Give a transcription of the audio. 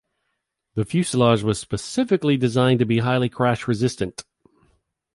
The fuselage was specifically designed to be highly crash resistant.